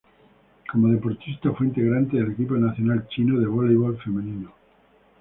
Como deportista fue integrante del equipo nacional chino de voleibol femenino.